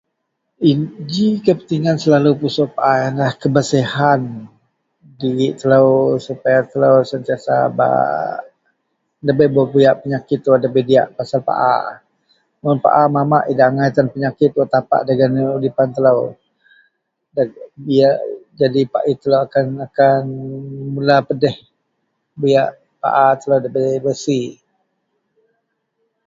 ien ji kepentingan selalu pusuk paa ien lah kebersihan dirik telou, supaya telou sentiasa bak debai ba buyak penyakit wak debei diak pasal paa, mun paa mamak idak tan penyakit wak tapak dagen nou udipan telou, be biar jadi pait telou akan-akan mula pedih buyak paa telou debei bersi